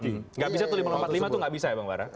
tidak bisa tuh lima empat puluh lima itu nggak bisa ya bang bara